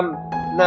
tám măng cụt